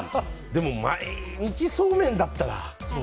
でも毎日そうめんだったら。